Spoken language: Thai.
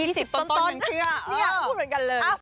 ๒๐ต้นเหมือนเชื่อเนี่ยพูดเหมือนกันเลย